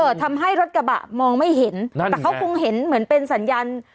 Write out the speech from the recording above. ทำให้รถกระบะมองไม่เห็นนั่นแต่เขาคงเห็นเหมือนเป็นสัญญาณ